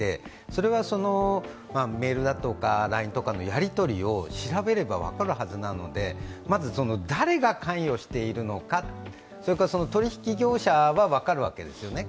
それは、メールだとかＬＩＮＥとかのやり取りを調べれば分かるはずなのでまず誰が関与しているのか、それから取引業者は分かるわけですよね。